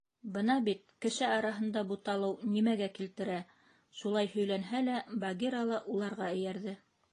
— Бына бит кеше араһында буталыу нимәгә килтерә, — шулай һөйләнһә лә, Багира ла уларға эйәрҙе.